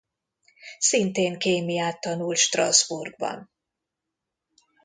Szintén kémiát tanult Strasbourgban.